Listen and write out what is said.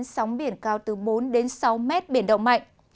sóng biển cao từ bốn đến sáu mét biển động mạnh